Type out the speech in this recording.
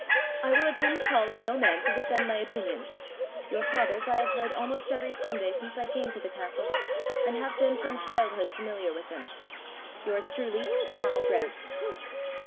I will attend the call of no man to defend my opinions; your father's I have heard almost every Sunday since I came to the castle, and have been from childhood familiar with them. Yours truly, Donal Grant."